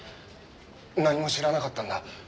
何も知らなかったんだ。